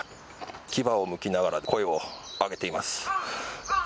牙をむきながら声を上げています。